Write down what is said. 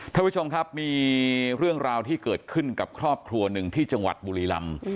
ท่านผู้ชมครับมีเรื่องราวที่เกิดขึ้นกับครอบครัวหนึ่งที่จังหวัดบุรีลำ